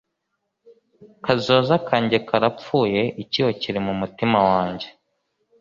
kazoza kanjye karapfuye, icyuho kiri mumutima wanjye